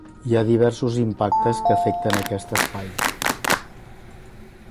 Hi ha diversos impactes que afecten aquest Espai.